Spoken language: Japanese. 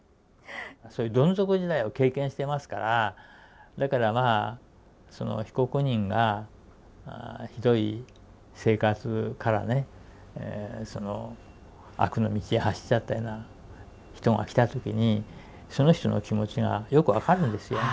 そういうどん底時代を経験してますからだからまあその被告人がひどい生活からねその悪の道に走っちゃったような人が来た時にその人の気持ちがよく分かるんですよ。